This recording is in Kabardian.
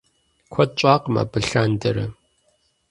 Куэд щӀакъым абы лъандэрэ.